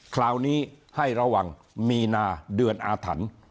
คราวนี้ให้ระวังมีนาเดือนอาถรรพ์